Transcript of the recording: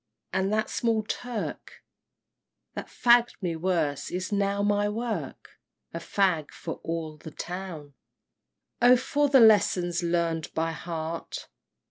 and that small Turk That fagg'd me! worse is now my work A fag for all the town! XIII. Oh for the lessons learned by heart!